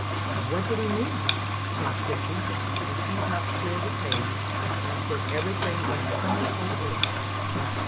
"What did he mean?" thought Christie, as she helped clear the table, and put every thing in Pimlico order.